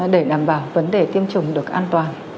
để đảm bảo vấn đề tiêm chủng được an toàn